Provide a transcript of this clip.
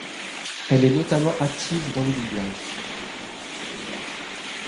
Elle est notamment active dans le doublage.